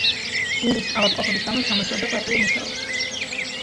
გულის ავადმყოფობის გამო ჩამოშორდა პარტიულ მუშაობას.